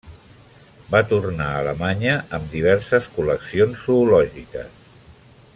Va tornar a Alemanya amb diverses col·leccions zoològiques.